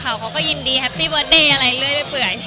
เขาก็ยินดีแฮปปี้เดิร์อะไรเรื่อย